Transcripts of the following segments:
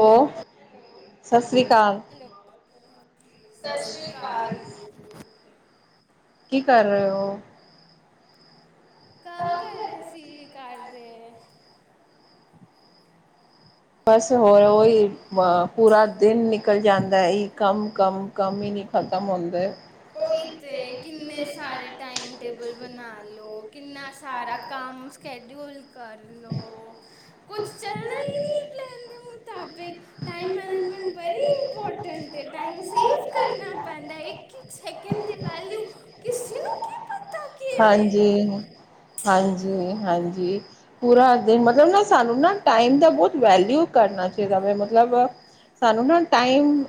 ਹੋ ਸਾਸਰੀ ਕਾਲ, ਹੈਲੋ ਸਤਿ ਸ਼੍ਰੀ ਸਾਸਰੀ ਅਕਾਲ ਕਾਲ। ਕੀ ਕਰ ਰਹੇ ਓ? ਕੰਮ ਕਰ ਰਹੇ ਸੀ ਘਰ ਦੇ। ਬਸ ਹੋਰ ਉਹੀ ਪੂਰਾ ਦਿਨ ਨਿਕਲ ਜਾਂਦਾ। ਇਹ ਕੰਮ ਕੰਮ ਕੰਮ ਹੀ ਨਹੀਂ ਖਤਮ ਹੁੰਦੇ। ਉਈ ਤੇ ਕਿੰਨੇ ਸਾਰੇ ਟਾਈਮ ਟੇਬਲ ਬਣਾ ਲਓ ਕਿੰਨਾ ਸਾਰਾ ਕੰਮ- ਸ਼ੈਡਿਊਲ ਕਰ ਲਓ, ਕੁਛ ਚੱਲਣਾ ਹੀ ਨਹੀਂ ਪਲੈਨ ਦੇ ਮੁਤਾਬਿਕ। ਟਾਈਮ ਮੈਨੇਜਮੈਂਟ ਬਰੀ ਇੰਪੋਰਟੈਂਟ ਹੈ ਟਾਈਮ ਸੇਵ ਕਰਨਾ ਪੈਂਦਾ ਇੱਕ-ਇੱਕ ਸੈਕਿੰਡ ਦੀ ਵੈਲਿਊ, ਕਿਸੇ ਨੂੰ ਕੀ ਪਤਾ ਕਿਵੇਂ। ਹਾਂਜੀ, ਹਾਂਜੀ। ਪੂਰਾ ਮਤਲਬ ਨਾ ਸਾਨੂੰ ਨਾ ਟਾਈਮ ਦਾ ਬਹੁਤ ਵੈਲਿਊ ਕਰਨਾ ਚਾਹੀਦਾ ਵਾ ਮਤਲਬ ਸਾਨੂੰ ਨਾ ਟਾਈਮ,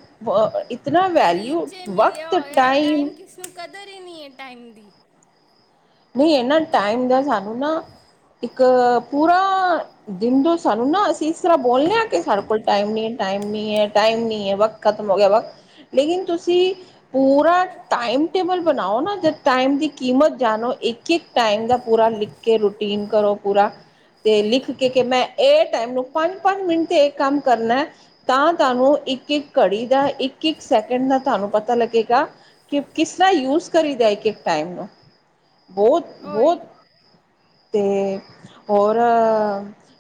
ਇਤਨਾ ਫ੍ਰੀ ਵੈਲਿਊ, 'ਚ ਮਿਲਿਆ ਵਕਤ ਹੋਇਆ ਟਾਈਮ ਕਿਸ ਕਦਰ ਈ ਨਹੀਂ ਏ ਟਾਈਮ ਦੀ। ਨਹੀਂ ਇਹਨਾਂ ਟਾਈਮ ਦਾ ਸਾਨੂੰ ਨਾ, ਇੱਕ ਪੂਰਾ ਦਿਨ ਦੋ ਸਾਨੂੰ ਨਾ ਅਸੀਂ ਇਸ ਤਰ੍ਹਾਂ ਬੋਲਨੇ ਆ ਕਿ ਸਾਡੇ ਕੋਲ ਟਾਈਮ ਨਹੀਂ ਟਾਈਮ ਨਹੀਂ ਹੈ ਟਾਈਮ ਨਹੀ ਹੈ ਵਕ- ਖ਼ਤਮ ਹੋ ਗਿਆ ਵਕਤ, ਲੇਕਿਨ ਤੁਸੀਂ ਪੂਰਾ ਟਾਈਮ ਟੇਬਲ ਬਣਾਓ ਨਾ ਜਦ ਟਾਈਮ ਦੀ ਕੀਮਤ ਜਾਣੋ। ਇੱਕ-ਇੱਕ ਟਾਈਮ ਦਾ ਪੂਰਾ ਲਿਖ ਕੇ ਰੂਟੀਨ ਕਰੋ ਪੂਰਾ। ਅਤੇ ਲਿਖ ਕੇ ਕਿ ਮੈਂ ਇਹ ਟਾਈਮ ਨੂੰ ਪੰਜ-ਪੰਜ ਮਿੰਟ ਤੇ ਇਹ ਕੰਮ ਕਰਨਾ। ਤਾਂ ਤੁਹਾਨੂੰ ਇੱਕ-ਇੱਕ ਘੜੀ ਦਾ, ਇੱਕ-ਇੱਕ ਸੈਕਿੰਡ ਦਾ ਤੁਹਾਨੂੰ ਪਤਾ ਲੱਗੇਗਾ। ਕਿ ਕਿਸ ਤਰ੍ਹਾਂ ਯੂਜ ਕਰੀਦੇੈ ਇਕ-ਇਕ ਟਾਈਮ। ਬਹੁਤ-ਬਹੁਤ, ਓਹੀ ਅਤੇ ਹੋਰ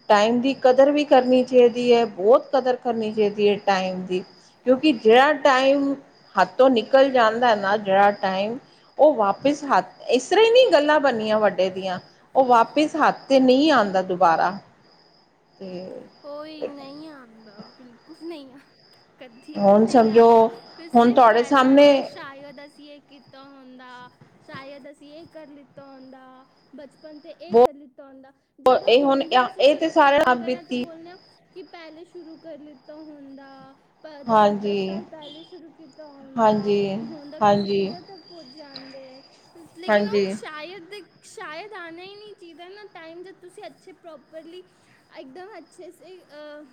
ਟਾਈਮ ਦੀ ਕਦਰ ਵੀ ਕਰਨੀ ਚੇਦੀ ਏ, ਬਹੁਤ ਕਦਰ ਕਰਨੀ ਚਾਹੀਦੀ ਹੈ ਟਾਈਮ ਦੀ। ਕਿਉਂਕਿ ਜਿਹੜਾ ਟਾਈਮ, ਹੱਥੋਂ ਨਿਕਲ ਜਾਂਦਾ ਨਾ ਜਿਹੜਾ ਟਾਈਮ ਉਹ ਵਾਪਿਸ ਹੱਦ ਇਸ ਤਰ੍ਹਾਂ ਹੀ ਨਹੀਂ ਗੱਲਾਂ ਬਣੀਆ ਵੱਡੇ ਦੀਆਂ, ਉਹ ਵਾਪਿਸ ਹੱਥ ਤੇ ਨਹੀਂ ਆਂਦਾ ਦੁਬਾਰਾ। ਹ, ਓਈ ਨਹੀਂ ਆਂਦਾ, ਬਿਲਕੁਲ ਨਹੀਂ ਆਂਦਾ। ਕਦੀ ਵੀ ਹੁਣ ਨਹੀਂ ਸਮਝੋ ਆਂਦਾ, ਫਿਰ ਹੁਣ ਸਿਰਫ ਤੁਹਾਡੇ ਰਹਿ ਸਾਹਮਣੇ ਜਾਂਦਾ ਸ਼ਾਇਦ ਅਸੀਂ ਏ ਕਿ ਤਾ ਹੁੰਦਾ, ਸ਼ਾਇਦ ਅਸੀਂ ਇਹ ਕਰ ਲਿੱਤਾ ਹੁੰਦਾ। ਬਚਪਨ ਤੇ ਇਹ ਕਰੀ ਲਿੱਤਾ ਹੁੰਦਾ, ਜੇ ਬਹੁਤ ਅਗਰ ਇਹ ਹੁਣ ਵੀ ਅਸੀ ਇਹ ਤੇ ਸ਼ੁਰੂ ਕੋਈ ਸਾਰਿਆਂ ਕੰਮ ਨਾਲ ਕਰਾਂ ਬੀਤੀ ਬੋਲਨੇ ਆਂ, ਕਿ ਪਹਿਲੇ ਸ਼ੁਰੂ ਕਰ ਲਿੱਤਾ ਹੁੰਦਾ। ਪ ਦੱਸ, ਦੱਸ ਹਾਂਜੀ ਸਾਲ ਪਹਿਲੇ ਸ਼ੁਰੂ ਕੀਤਾ ਹੁੰਦਾ, ਹਾਂਜੀ ਕਿ ਹੁੰਣ ਤਕ ਅਸੀ ਹਾਂਜੀ ਕਿੱਧਰ ਤੱਕ ਪੁੱਜ ਜਾਂਦੇ, ਲੇਕਿਨ ਉਹ ਹਾਂਜੀ ਸ਼ਾਇਦ ਸ਼ਾਇਦ ਆਣਾ ਈ ਨਹੀਂ ਚਾਹੀਦਾ ਨਾ, ਟਾਈਮ ਜਦ ਤੁਸੀਂ ਅੱਛੇ ਪ੍ਰੋਪਰਲੀ ਇਕਦਮ ਅੱਛੇ ਸੇ ਅ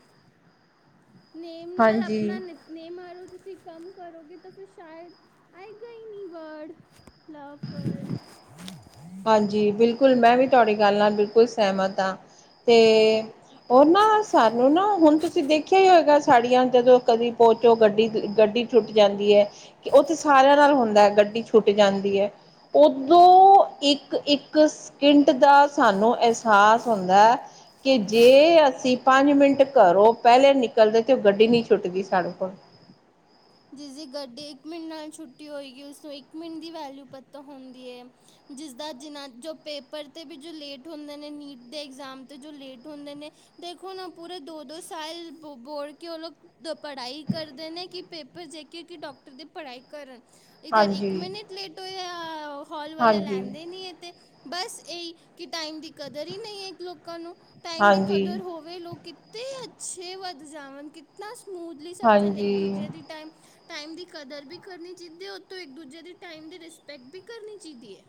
ਨੇਮ ਨਾਲ ਅਪਨਾ ਹਾਂਜੀ ਨਿ ਨੇਮ ਅਨੁਸਾਰ ਤਸੀ ਕੰਮ ਕਰੋਗੇ ਤਾਂ ਫਿਰ ਸ਼ਾਇਦ, ਆਏਗਾ ਹੀ ਨਹੀਂ ਵਰਡ। ਲਫਜ ਹਾਂਜੀ, ਬਿਲਕੁਲ ''ਮੈਂ ਵੀ ਤੁਹਾਡੀ ਗੱਲ ਨਾਲ ਬਿਲਕੁਲ ਸਹਿਮਤ ਹਾਂ, ਅਤੇ ਉਰ ਨਾ, ਸਾਨੂੰ ਨਾ, ਹੁਣ ਤੁਸੀਂ ਦੇਖ ਵੇਖਿਆ ਹੀ ਹੋਏਗਾ ਸਾੜੀਆਂ, ਜਦੋਂ ਕਦੀ ਪਹੋਚੋ ਗੱਡੀ, ਗੱਡੀ ਟੁੱਟ ਜਾਂਦੀ ਐ। ਕਿ ਉਹ ਤੇ ਸਾਰਿਆਂ ਨਾਲ ਹੁੰਦਾ ਹੈ, ਗੱਡੀ ਛੁੱਟ ਜਾਂਦੀ ਏ, ਉਦੋਂ ਇੱਕ-ਇੱਕ ਸਕਿੰਟ ਦਾ ਸਾਨੂੰ ਅਹਿਸਾਸ ਹੁੰਦਾ ਕਿ ਜੇ, ਅਸੀਂ ਪੰਜ ਮਿੰਟ ਘਰੋਂ ਪਹਿਲੇ ਨਿਕਲਦੇ ਤੇ ਉਹ ਗੱਡੀ ਨਹੀਂ ਛੁੱਟ ਗਈ ਸਾਡੇ ਕੋਲ। ਜਿਸਦੀ ਗੱਡੀ ਇੱਕ ਮਿੰਟ ਨਾਲ‌ ਛੁੱਟੀ ਹੋਏਗੀ, ਉਸਨੂੰ ਇੱਕ ਮਿੰਟ ਦੀ ਵੈਲਿਊ ਪੱਤਾ ਹੋਂਦੀ ਏ। ਜਿਸਦਾ ਜਿਨਾ, ਜੋ ਪੇਪਰ 'ਤੇ ਵੀ, ਜੋ ਲੇਟ ਹੁੰਦੇ ਨੇ ਨੀਟ ਦੇ ਇਗਜ਼ਾਮ 'ਤੇ ਜੋ ਲੇਟ ਹੁੰਦੇ ਨੇ। ਦੇਖੋ ਨਾ ਪੂਰੇ ਦੋ-ਦੋ ਸਾਲ, ਬੋਰਡ ਕੇ ਉਹ ਲੋਕ ਪੜ੍ਹਾਈ ਕਰਦੇ ਨੇ, ਕਿ ਪੇ ਪਰ ਜੇਕੇ ਕਿ ਡਾਕਟਰ ਦੇ ਪੜ੍ਹਾਈ ਕਰਨ। ਇੱਧਰ ਇੱਕ ਹਾਂਜੀ ਮਿੰਟ ਲੇਟ ਹੋਇਆ, ਓ ਹੌਲ ਵਾਲੇ ਹਾਂਜੀ ਲੈਂਦੇ ਨਹੀਂ ਏ, ਤੇ। ਬਸ ਏ ਈ, ਕਿ ਟਾਈਮ ਦੀ ਕਦਰ ਹੀ ਨਹੀਂ ਏ ਲੋਕਾਂ ਨੂੰ, ਟਾਈਮ ਦੀ ਹਾਂਜੀ ਕਦਰ ਹੋਵੇ ਲੋਕ ਕਿੱਤੇ ਅੱਛੇ ਵੱਧ ਜਾਵਣ, ਕਿਤਨਾ ਸਮੂਥਲੀ ਸਭ ਚਲੇ ਇੱਕ ਹਾਂਜੀ ਦੂਜੇ ਦੀ ਟਾਈਮ। ਟਾਈਮ ਦੀ ਕਦਰ ਵੀ ਕਰਨੀ ਚਾਹੀਦੀ ਏ, ਉਤੋ ਇੱਕ-ਦੂਜੇ ਦੀ ਟਾਈਮ ਦੀ ਰਿਸਪੈਕਟ ਵੀ ਕਰਨੀ ਚਾਹੀਦੀ ਏ।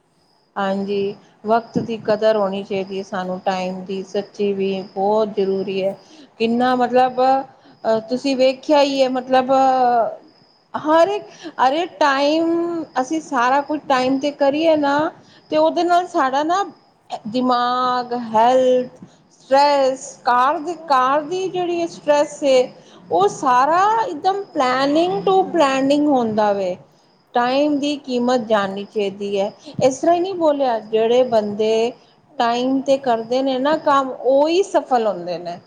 ਹਾਂਜੀ, ਵਕਤ ਦੀ ਕਦਰ ਹੋਣੀ ਚਾਹੀਦੀ ਏ, ਸਾਨੂੰ ਟਾਈਮ ਦੀ ਸੱਚੀ ਵੀ ਬਹੁਤ ਜ਼ਰੂਰੀ ਐ, ਇੰਨਾ ਮਤਲਬ ਤੁਸੀਂ ਵੇਖਿਆ ਈ ਏ ਮਤਲਬ ਹਰ ਇੱਕ, ਅਰੇ ਟਾਈਮ, ਅਸੀਂ ਸਾਰਾ ਕੁਝ ਟਾਈਮ 'ਤੇ ਕਰੀਏ ਨਾ ਤੇ ਉਹਦੇ ਨਾਲ ਸਾਡਾ ਨਾ, ਦਿਮਾਗ, ਹੈਲਥ ਸਟ੍ਰੈੱਸ ਕਾਰ ਦੀ, ਕਾਰ ਦੀ ਜਿਹੜੀ ਸਟ੍ਰੈੱਸ ਏ ਓਹ ਸਾਰਾ ਇੱਕਦਮ ਪਲੈਨਿੰਗ ਟੂ ਪਲੈਨਿੰਗ ਹੁੰਦਾ ਵੇ। ਟਾਈਮ ਦੀ ਕੀਮਤ ਜਾਣਨੀ ਚਾਹੀਦੀ ਏ, ਇਸ ਇਸ ਤਰ੍ਹਾਂ ਈ ਨਹੀਂ ਬੋਲਿਆ, ਜਿਹੜੇ ਬੰਦੇ ਟਾਈਮ ਤੇ ਕਰਦੇ ਨੇ ਨਾ ਕੰਮ, ਉਹੀ ਸਫਲ ਹੁੰਦੇ ਨੇ।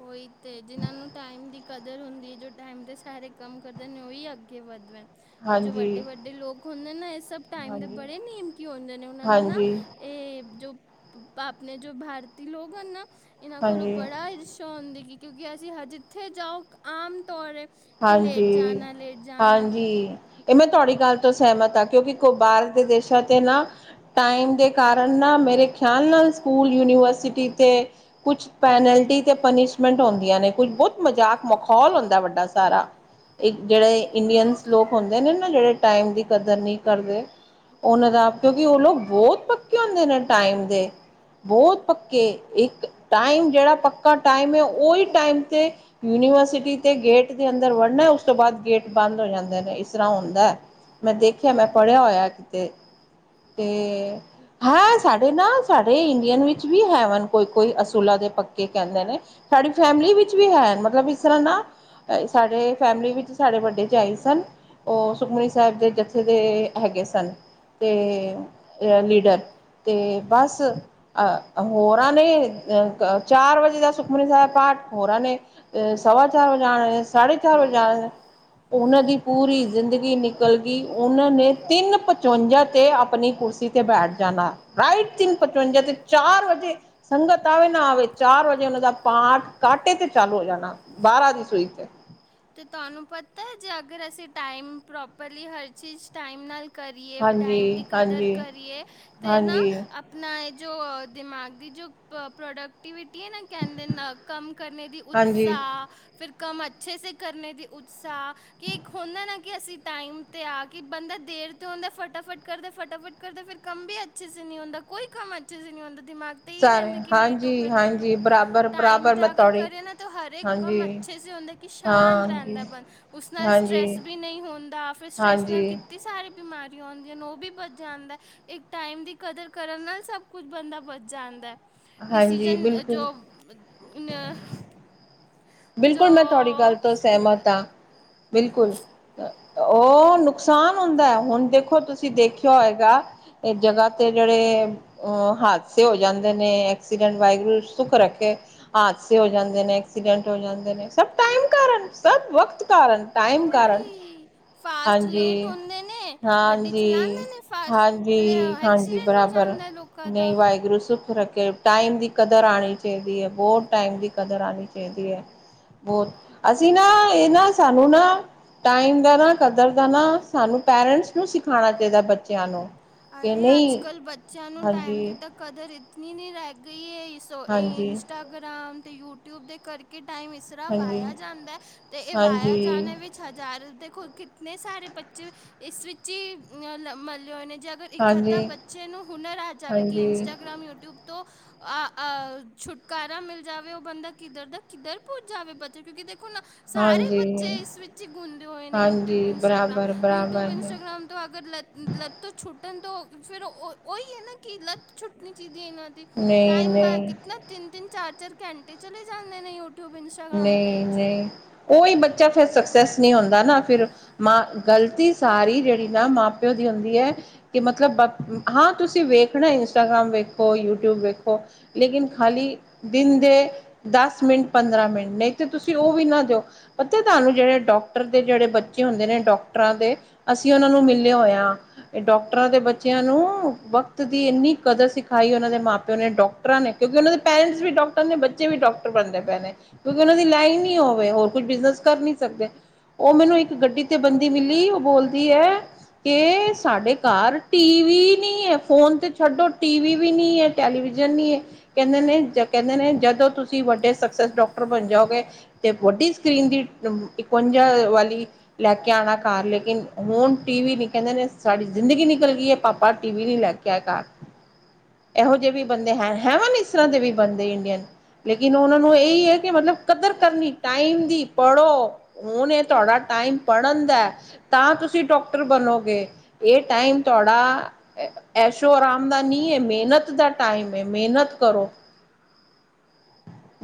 ਓਹੀ ਤੇ ਜਿਹਨਾਂ ਨੂੰ ਟਾਈਮ ਦੀ ਕਦਰ ਹੁੰਦੀ ਏ, ਜੋ ਟਾਈਮ 'ਤੇ ਸਾਰੇ ਕੰਮ ਕਰਦੇ ਨੇ ਉਹੀ ਅੱਗੇ ਵੱਧਦੇਨ। ਇਹ ਜੋ ਹਾਂਜੀ ਵੱਡੇ ਵੱਡੇ ਲੋਕ ਹੁੰਦੇ ਨਾ ਇਹ ਸਭ ਟਾਈਮ ਦੇ ਹਾਂਜੀ ਬੜੇ ਨ ਨੇਮਕੀ ਹੁੰਦੇ ਨੇ ਉਹ ਨੂੰ ਨਾ, ਹਾਂਜੀ ਇਹ ਜੋ ਆਪਣੇ ਜੋ ਭਾਰਤੀ ਲੋਕ ਹਨ ਨਾ ਇਹਨਾਂ ਕੋਲੋਂ, ਹਾਂਜੀ ਬੜਾ ਹੀ ਚਾਹੁੰਦੀਗੀ ਕਿਉਂਕਿ ਅਸੀਂ ਹ ਜਿੱਥੇ ਜਾਓ ਆਮ ਤੌਰ, ਕਿ ਲੇਟ ਹਾਂਜੀ, ਜਾਨਾ ਲੇਟ ਜਾਨਾ, ਹਾਂਜੀ। ਇਹ ਮੈਂ ਤੁਹਾਡੀ ਗੱਲ ਤੋਂ ਸਹਿਮਤ ਹਾਂ ਕਿਉਂਕਿ ਕੋ ਬਾਹਰ ਦੇ ਦੇਸ਼ਾਂ 'ਤੇ ਨਾ, ਟਾਈਮ ਦੇ ਕਾਰਨ ਨਾ ਮੇਰੇ ਖਿਆਲ ਨਾਲ ਸਕੂਲ ਯੂਨੀਵਰਸਿਟੀ 'ਤੇ, ਕੁਛ ਪੈਨਲਟੀ ਤੇ ਪਨਿਸ਼ਮੈਂਟ ਹੁੰਦੀਆਂ ਨੇ, ਕੁਛ ਬਹੁਤ, ਮਜ਼ਾਕ ਮਖੌਲ ਹੁੰਦਾ ਵੱਡਾ ਸਾਰਾ ਜਿਹੜੇ ਇੰਡੀਅਨ, ਗੂਗਲ ਲੋਕ ਹੁੰਦੇ ਨੇ ਨਾ ਜਿਹੜੇ ਟਾਈਮ ਦੀ ਕਦਰ ਨਹੀਂ ਕਰਦੇ, ਉਹਨਾਂ ਦਾ ਕਿਉਂਕਿ ਉਹ ਲੋਕ ਬਹੁਤ ਪੱਕੇ ਹੁੰਦੇ ਨੇ ਟਾਈਮ ਦੇ, ਬਹੁਤ ਪੱਕੇ, ਇੱਕ ਟਾਈਮ ਜਿਹੜਾ ਪੱਕਾ ਟਾਈਮ ਹੈ ਉਹੀ ਟਾਈਮ 'ਤੇ, ਯੂਨੀਵਰਸਿਟੀ ਤੇ ਗੇਟ ਦੇ ਅੰਦਰ ਵੜਨਾ ਉਸ ਤੋਂ ਬਾਅਦ ਗੇਟ ਬੰਦ ਹੋ ਜਾਂਦੇ ਨੇ ਇਸ ਤਰ੍ਹਾਂ ਹੁੰਦਾ। ਮੈਂ ਦੇਖਿਆ। ਮੈਂ ਪੜ੍ਹਿਆ ਉਹੀ ਹੋਇਆ ਕਿਤੇ ਤੇ ਹੈ ਸਾਡੇ ਨਾ ਸਾਡੇ ਇੰਡੀਅਨ ਵਿੱਚ ਵੀ ਹੈ ਵ ਕੋਈ ਕੋਈ ਅਸੂਲਾ ਦੇ ਪੱਕੇ ਕਹਿੰਦੇ ਨੇ। ਸਾਡੀ ਫੈਮਿਲੀ ਵਿੱਚ ਵੀ ਹੈ ਮਤਲਬ ਇਸ ਤਰ੍ਹਾਂ ਨਾ। ਸਾਡੇ ਫੈਮਿਲੀ ਵਿੱਚ ਸਾਡੇ ਵੱਡੇ 'ਚ ਆਈ ਸਨ। ਉਹ ਸੁਖਮਨੀ ਸਾਹਿਬ ਦੇ ਜਥੇ ਦੇ ਹੈਗੇ ਸਨ, ਤੇ ਲੀਡਰ। ਤੇ ਬਸ। ਅਹ ਹੋਰਾਂ ਨੇ ਅ ਚਾਰ ਵਜੇ ਦਾ ਸੁਖਮਨੀ ਸਾਹਿਬ ਪਾਠ ਹੋਰਾਂ ਨੇ ਅ ਸਵਾ ਚਾਰ ਵਜੇ ਆਣਾ, ਸਾਢੇ ਚਾਰ ਵਜੇ ਆਣਾ। ਉਹਨਾਂ ਦੀ ਪੂਰੀ ਜ਼ਿੰਦਗੀ ਨ ਬਲਕਿ ਉਹਨਾਂ ਨੇ ਤਿੰਨ ਪਚਵੰਜਾ ਤੇ ਆਪਣੀ ਕੁਰਸੀ ਤੇ ਬੈਠ ਜਾਣਾ। ਰਾਈਟ ਤਿੰਨ ਪਚਵੰਜਾ ਤੇ, ਚਾਰ ਵਜੇ ਸੰਗਤ ਆਵੇ ਨਾ ਆਵੇ, ਚਾਰ ਵਜੇ ਉਹਨਾਂ ਦਾ ਪਾਠ ਕਾਟੇ ਤੇ ਚਾਲੂ ਹੋ ਜਾਣਾ। ਬਾਰਾਂ ਦੀ ਸੂਈ ਤੇ ਤੇ ਤੁਹਾਨੂੰ ਪਤਾ ਹੈ ਜੇ ਅਗਰ ਅਸੀਂ ਟਾਈਮ ਪ੍ਰੋਪਰਲੀ ਹਰ ਚੀਜ਼ ਟਾਈਮ ਨਾਲ ਕਰੀਏ, ਟਾਈਮ ਦੀ ਹਾਂਜੀ ਕਦਰ ਹਾਂਜੀ ਕਰੀਏ ਤੇ ਨਾ ਹਾਂਜੀ ਆਪ ਆਪਣਾ ਇਹ, ਜੋ ਦਿਮਾਗ ਦੀ ਜੋ ਪ੍ਰੋਡਕਟ ਕਵਿ ਕਹਿੰਦੇ ਕੰਮ ਕਰਨ ਦੀ ਹਾਂਜੀ ਉਤਸ਼ਾਹ। ਫਿਰ ਕੰਮ ਅੱਛੇ ਕਰਨੇ ਦੀ ਉਤਸ਼ਾਹ ਕਿ ਇੱਕ ਹੁੰਦਾ ਨਾ ਕਿ ਅਸੀਂ ਟਾਈਮ ਤੇ ਆ ਕੇ ਬੰਦਾ ਦੇਰ ਤੇ ਹੁੰਦਾ ਫਟਾਫਟ ਕਰਦੇ ਫਟਾਫਟ ਕਰਦਾ ਫਿਰ ਕੰਮ ਵੀ ਅੱਛੇ ਸ ਨਹੀਂ ਹੰਦਾ। ਕੋਈ ਕੰਮ ਅੱਛੇ ਸ ਨਹੀਂ ਹੰਦਾ। ਦਿਮਾਗ ਸਾਰੇ ਰਹਿੰਦੇ ਕਿ ਲੇਟ ਹੋ ਹਾਂਜੀ ਲੇਟ ਹੋ ਹਾਂਜੀ ਬਰਾਬਰ ਟਾਈਮ ਬਰਾਬਰ ਮੈਂ ਤਾਂ ਅਗਰ ਤੁਹਾਡੀ ਕਰੇ ਨਾ ਤਾਂ ਹਰ ਹਾਂਜੀ ਕੰਮ ਅੱਛੇ ਸੇ ਹੁੰਦਾ। ਕਿ ਸ਼ਾਂਤ ਹਾਂਜੀ ਰਹਿੰਦਾ ਮਨ, ਉਸ ਨਾਲ ਹਾਂਜੀ ਸਟਰੈੱਸ ਵੀ ਨਹੀਂ ਹੁੰਦਾ। ਫਿਰ ਸਟਰੈੱਸ ਨਾਲ ਕਿ ਹਾਂਜੀ ਬਹੁਤੀ ਸਾਰੀਆਂ ਬਿਮਾਰੀਆਂ ਆਦੀਆਂ। ਉਹ ਵੀ ਬੱਚ ਜਾਂਦਾ। ਇੱਕ ਟਾਈਮ ਦੀ ਕਦਰ ਕਰਨ ਨਾਲ ਸਭ ਕੁਛ ਬੰਦਾ ਬਚ ਜਾਂਦਾ ਹੈ। ਹਾਂਜੀ ਡਿਸੀਜ਼ਨ ਬਿਲਕੁਲ ਜੋ ਜੋ ਬਿਲਕੁਲ ਮੈਂ ਤੁਹਾਡੀ ਗੱਲ ਤੋਂ ਸਹਿਮਤ ਆ ਬਿਲਕੁਲ। ਉਹ ਨੁਕਸਾਨ ਹੁੰਦਾ ਹੈ। ਹੁਣ ਦੇਖੋ ਤੁਸੀਂ ਦੇਖਿਆ ਹੈਏਗਾ। ਇਹ ਜਗ੍ਹਾਹ ਤੇ ਜਿਹੜੇ ਔ ਹਾਦਸੇ ਹੋ ਜਾਂਦੇ ਨੇ। ਐਕਸੀਡੈਂਟ ਵਾਹਿਗੁਰੂ ਸੁੱਖ ਰੱਖੇ। ਹਾਦਸੇ ਹੋ ਜਾਂਦੇ ਨੇ, ਐਕਸੀਡੈਂਟ ਹੋ ਜਾਂਦੇ ਨੇ, ਸਭ ਟਾਈਮ ਕਾਰਨ, ਸਭ ਵਕਤ ਕਾਰਨ। ਟਾਈਮ ਕਾਰਨ, ਉਹੀ ਫਾਸਟ ਲੇਟ ਹਾਂਜੀ ਹੁੰਦੇ ਨੇ ਗੱਡੀ -ਹਾਂਜੀ। ਚਲਾਉਂਦੇ ਨੇ ਫਾਸਟ ਹਾਂਜੀ- ਹਾਂਜੀ ਐਕਸੀਡੈਂਟ ਹੋ ਬਰਾਬਰ, ਜਾਂਦਾ ਲੋਕਾਂ ਨਹੀਂ, ਦਾ ਵਾਹਿਗੁਰੂ ਸ ਰੱਖੇ ਟਾਈਮ ਦੀ ਕਦਰ ਆਣੀ ਚਾਈਦੀ ਐ ਬਹੁ ਟਾਈਮ ਦੀ ਕਦਰ ਆਣੀ ਚਾਈਦੀ ਐ। ਬੋਤ ਅਸੀਂ ਨਾ ਏ ਨਾ ਸਾਨੂੰ ਨਾ ਟਾਈਮ ਦਾ ਨਾ ਕਦਰ ਦਾ ਨਾ ਸਾਨੂੰ ਪੈਰੈਂਟਸ ਨੂੰ ਸਿਖਾਨਾ ਚਾਈਦਾ ਬੱਚਿਆਂ ਨੂੰ। ਕਿ ਅਰੇ ਨਹੀਂ ਅੱਜ-ਕੱਲ ਬੱਚਿਆਂ ਨੂੰ ਟਾਈਮ ਦੀ ਹਾਂਜੀ, ਤਾਂ ਕਦਰ ਇਤਨੀ ਨੀ ਰੈ ਗਈ ਏ ਇਸ ਸੋ ਏ ਹਾਂਜੀ, ਹਾਂਜੀ, ਇੰਸਟਾਗ੍ਰਾਮ ਤੇ ਯੂਟਿਊਬ ਦੇ ਕਰਕੇ ਟਾਈਮ ਇਸ ਤਰਾਂ ਹਾਂਜੀ, ਵਾਇਆ ਜਾਂਦਾ ਐ ਤੇ ਏ ਵਾਇਆ ਜਾਨੇ ਵਿੱਚ ਪੁੱਛਿਆ ਜਾ ਰਿਆ ਦੇਖੋ ਕਿਤਨੇ ਸਾਰੇ ਬੱਚੇ ਇਸ ਵਿੱਚ ਈ ਮਲੇ ਹੋਏ ਨੇ ਜਦ ਪਰ ਇੱਕ ਅੱਧਾ ਹਾਂਜੀ, ਬੱਚੇ ਨੂੰ ਹੁਨਰ ਆ ਜਾਵੇ ਕਿ ਹਾਂਜੀ, ਇੰਸਟਾਗ੍ਰਾਮ, ਯੂਟਿਊਬ ਤੋਂ ਅਹ ਅ ਛੁਟਕਾਰਾ ਮਿਲ ਜਾਵੇ ਓ ਬੰਦਾ ਕਿੱਦਰ ਦਾ ਕਿੱਦਰ ਪੁੱਜ ਜਾਵੇ ਬੱਚਾ ਕਿਓਂਕਿ ਦੇਖੋ ਨਾ ਸਾਰੇ ਹਾਂਜੀ, ਬੱਚੇ ਇਸ ਵਿੱਚ ਹੀ ਗੁੰਦੇ ਹੋਏ ਨੇ ਯੂਟਿਊਬ, ਹਾਂਜੀ ਇੰਸਟਾਗ੍ਰਾਮ, ਬਰਾਬਰ, ਯੂਟਿਊਬ, ਬਰਾਬਰ ਇੰਸਟਾਗ੍ਰਾਮ ਅਗਰ ਲੱਤ ਛੁੱਟਣ ਤਾਂ ਫਿਰ ਓਈ ਐ ਨਾ ਕਿ ਲੱਤ ਛੁੱਟਣੀ ਚਾਈਦੀ ਐ ਏਨਾਂ ਦੀ। ਨਹੀਂ, ਟਾਈਮ ਵਾ ਨਹੀਂ ਕਿਤਨਾ ਤਿੰਨ-ਤਿੰਨ, ਚਾਰ-ਚਾਰ ਘੰਟੇ ਚਲੇ ਜਾਂਦੇ ਨੇ ਯੂਟੂਬ ਇੰਸਟਾ ਨਈ-ਨਈ ਓਈ ਬੱਚਾ ਫਿਰ ਸਕਸੈਸ ਨੀ ਹੁੰਦਾ ਨਾ ਫਿਰ। ਮਾ ਗਲਤੀ ਸਾਰੀ ਜੇੜੀ ਨਾ ਮਾਂ-ਪਿਓ ਦੀ ਹੁੰਦੀ ਐ। ਕਿ ਮਤਲਬ ਹਾਂ ਤੁਸੀਂ ਵੇਖਨਾ ਇੰਸਟਾਗ੍ਰਾਮ ਵੇਖੋ, ਯੂਟੂਬ ਵੇਖੋ। ਲੇਕਿਨ ਦਿਨ ਦੇ ਖਾਲੀ ਦਿਨ ਦੇ ਦਸ ਮਿੰਟ, ਪੰਦਰਾਂ ਮਿੰ ਨਈ ਤੇ ਤੁਸੀਂ ਓ ਵੀ ਨਾ ਦਿਓ। ਪਤਾ ਤਾਨੂੰ ਜੇੜੇ ਡੋਕਟਰ ਦੇ ਜੇੜੇ ਬੱਚੇ ਹੁੰਦੇ ਨੇ ਡੋਕਟਰਾਂ ਦੇ ਅਸੀਂ ਓਨਾਂ ਨੂੰ ਮਿਲੇ ਹੋਏ ਆਂ। ਡੋਕਟਰਾਂ ਦੇ ਬੱਚਿਆਂ ਨੂੰ ਵਕ਼ਤ ਦੀ ਏਨੀ ਕਦਰ ਸਿਖਾਈ ਓਨਾਂ ਦੇ ਮਾਂ-ਪਿਓ ਨੇ ਡੋਕ ਡੋਕਟਰਾਂ ਨੇ ਕਿਓਂਕਿ ਓਨਾਂ ਦੇ ਪੇਰੈਂਟਸ ਵੀ ਡੋਕਟਰ ਨੇ ਬੱਚੇ ਵੀ ਡੋਕਟਰ ਬਨਦੇ ਪਏ ਨੇ। ਕਿਓਂਕਿ ਓਨਾਂ ਦੀ ਲਾਈਨ ਨਈ ਓ ਵੇ ਹੋਰ ਕੁੱਛ ਬਿਜ਼ਨਸ ਕਰ ਨੀ ਸਕਦੇ। ਓ ਮੈਨੂੰ ਇੱਕ ਗੱਡੀ ਤੇ ਬੰਦੀ ਮਿਲੀ ਓ ਬੋਲਦੀ ਐ ਕਿ ਸਾਡੇ ਘਰ ਟੀ ਵੀ ਨਈ ਐ ਫੋਨ ਤੇ ਛੱਡੋ ਟੀ ਵੀ ਨਈ ਐ। ਟੈਲੀਵਿਜ਼ਨ ਨੀ ਐ ਕੈਂਦੇ ਨੇ-ਕੈਂਦੇ ਨੇ ਜਦੋਂ ਤੁਸੀਂ ਵੱਡੇ ਸਕਸੈਸ ਡੋਕਟਰ ਬਨ ਜਾਓਗੇ ਤੇ ਵੱਡੀ ਸਕਰੀਨ ਦੀ ਇਕਵੰਜਾ ਵਾਲੀ ਲੈ ਕੇ ਆਣਾ ਘਰ ਲੇਕਿਨ ਹੁਣ ਟੀ ਵੀ ਨੀ ਕੈਂਦੇ ਨੇ ਸਾਡੀ ਜ਼ਿੰਦਗੀ ਨਿਕਲ ਗਈ ਐ ਪਾਪਾ ਪਰ ਟੀ ਵੀ ਨੀ ਲੈ ਕੇ ਆਏਗਾ। ਐਹੋ ਜੇ ਵੀ ਬੰਦੇ ਐ ਹੈਵਨ ਇਸ ਤਰ੍ਹਾਂ ਦੇ ਵੀ ਬੰਦੇ ਇੰਡੀਅਨ ਲੇਕਿਨ ਓਨਾਂ ਨੂੰ ਏਈ ਐ ਕਿ ਮਤਲਬ ਕਦਰ ਕਰਨੀ ਟਾਈਮ ਦੀ ਪੜ੍ਹੋ, ਹੁਨ ਏ ਤੁਆਡਾ ਟਾਈਮ ਪੜ੍ਹਨ ਦੈ। ਤਾਂ ਤੁਸੀਂ ਡੋਕਟਰ ਬਨੋਗੇ, ਏ ਟਾਈਮ ਤੁਆਡਾ ਐਸ਼ੋ ਆਰਾਮ ਦਾ ਨੀ ਏ ਮੇਹਨਤ ਦਾ ਟਾਈਮ ਏ ਮੇਹਨਤ ਕਰੋ।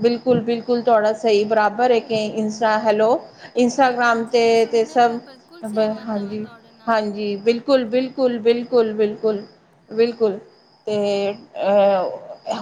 ਬਿਲਕੁੱਲ-ਬਿਲਕੁੱਲ ਤੁਆਡਾ ਸਈ ਬਰਾਬਰ ਐ ਕਿ ਇੰਸਟਾ ਹੈਲੋ ਇੰਸਟਾਗ੍ਰਾਮ ਹਾਂਜੀ ਤੇ-ਤੇ ਸੁਣਨੇ ਪਿਆ ਸਬ ਬਿਲਕੁਲ ਸਹਿਮਤ ਹਾਂ ਮੈਂ ਤੁਹਾਡੇ ਨਾਲ ਹਾਂਜੀ-ਹਾਂਜੀ ਬਿਲਕੁ ਬਿਲਕੁਲ-ਬਿਲਕੁਲ-ਬਿਲਕੁਲ-ਬਿਲਕੁਲ-ਬਿਲਕੁਲ। ਤੇ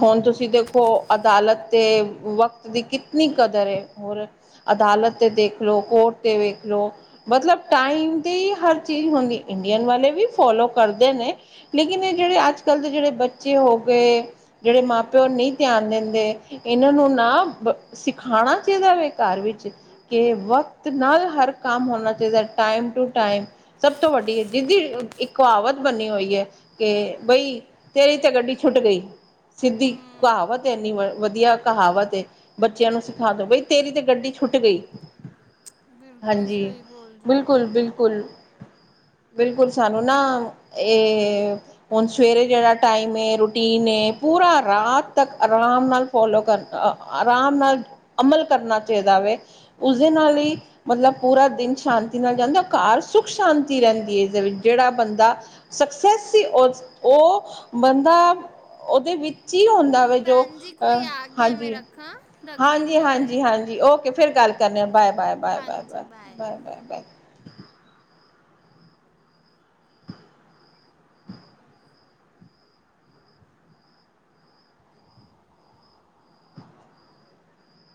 ਹੁਨ ਤੁਸੀਂ ਦੇਖੋ ਅਦਾਲਤ ਤੇ ਵਕ- ਵਕ਼ਤ ਦੀ ਕਿਤਨੀ ਕਦਰ ਐ ਹੋਰ ਅਦਾਲਤ ਤੇ ਦੇਖ ਲੋ ਕੋਰਟ ਤੇ ਵੇਖ ਲੋ ਮਤਲਬ ਟਾਈਮ ਦੀ ਹਰ ਚੀਜ਼ ਹੁੰਦੀ ਇੰਡੀਅਨ ਵਾਲੇ ਵੀ ਫੋਲੋ ਕਰਦੇ ਨੇ। ਲੇਕਿਨ ਏ ਜੇੜੇ ਅੱਜ-ਕੱਲ ਦੇ ਜੇੜੇ ਬੱਚੇ ਹੋ ਗਏ ਜੇੜੇ ਮਾਂ-ਪਿਓ ਨਈ ਧਿਆਨ ਦਿੰਦੇ, ਏਨਾਂ ਨੂੰ ਨਾ ਸਿਖਾਨਾ ਚਾਈਦਾ ਵੇ ਘਰ ਵਿੱਚ। ਕਿ ਵਕਤ ਨਾਲ ਹਰ ਕੰਮ ਹੋਨਾ ਚਾਈਦਾ ਟਾਈਮ-ਟੂ-ਟਾਈਮ। ਸਭ ਤੋਂ ਵੱਡੀ ਜਿਦੀ ਇੱਕ ਕਹਾਵਤ ਬਨੀ ਹੋਈ ਐ ਕਿ ਬਈ ਤੇਰੀ ਤੇ ਗੱਡੀ ਛੁੱਟ ਗਈ, ਸਿੱਧੀ ਹੂੰ ਕਹਾਵਤ ਏ ਏਨੀ ਵਦੀਆ ਕਹਾਵਤ ਏ। ਬੱਚਿਆਂ ਨੂੰ ਸਿਖਾ ਦੋ ਬਈ ਤੇਰੀ ਤੇ ਗੱਡੀ ਛੁੱਟ ਗਈ। ਬਿਲਕੁਲ ਹਾਂਜੀ। ਸਹੀ ਬੋਲ ਰਹੇ ਹੋ ਬਿਲਕੁੱਲ- ਬਿਲਕੁੱਲ। ਬਿਲਕੁੱਲ ਸਾਨੂੰ ਨਾ ਇਹ ਹੁਣ ਸਵੇਰੇ ਜਿਹੜਾ ਟਾਈਮ ਹੈ। ਰੂਟੀਨ ਹੈ। ਪੂਰਾ ਰਾਤ ਤੱਕ ਆਰਾਮ ਨਾਲ ਫੋਲੋ ਕਰਨਾ। ਆਰਾਮ ਨਾਲ ਅਮਲ ਕਰਨਾ ਚਾਹੀਦਾ ਵੇ। ਉਸਦੇ ਨਾਲ ਹੀ ਮਤਲਬ ਪੂਰਾ ਦਿਨ ਸ਼ਾਂਤੀ ਨਾਲ ਜਾਂਦਾ। ਘਰ ਸੁੱਖ ਸ਼ਾਂਤੀ ਰਹਿੰਦੀ ਹੈ। ਇਸਦੇ ਵਿੱਚ ਜਿਹੜਾ ਬੰਦਾ ਸਕਸੈਸ ਸੀ। ਉਹ ਬੰਦਾ ਉਹਦੇ ਵਿੱਚ ਚੀਅ ਹੁੰਦਾ ਵੇ। ਜੋ ਭੈਣ ਜੀ ਕੋਈ ਆ ਗਿਆ ਮੈਂ ਹਾਂਜੀ। ਰੱਖਾਂ ਰੱਖ ਦੇਣੀ ਹਾਂਜੀ- ਹਾਂ ਮੈਂ ਹਾਂਜੀ -ਹਾਂਜੀ ਓਕੇ ਫਿਰ ਗੱਲ ਕਰਨ ਹਾਂ। Bye- bye- bye- bye -bye -bye -bye -bye -bye.